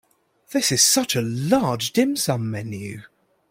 This is such a large dim sum menu.